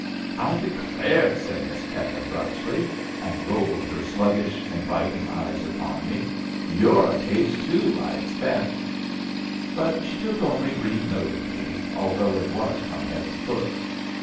"I declare!" said Miss Peck, abruptly, and rolled her sluggish, inviting eyes upon me. "You're a case, too, I expect." But she took only brief note of me, although it was from head to foot.